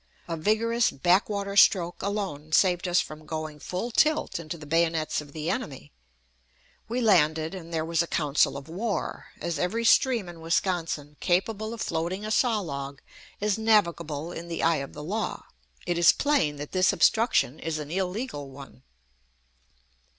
A vigorous back water stroke alone saved us from going full tilt into the bayonets of the enemy. We landed, and there was a council of war. As every stream in Wisconsin capable of floating a saw log is "navigable" in the eye of the law, it is plain that this obstruction is an illegal one.